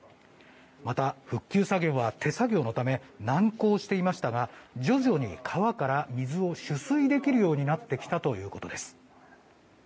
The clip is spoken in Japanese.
また復旧作業は手作業のため難航していましたが、徐々に川から水を取水できるようになってきたということです。